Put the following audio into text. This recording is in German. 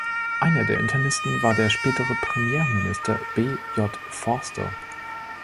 Einer der Internierten war der spätere Premierminister B. J. Vorster.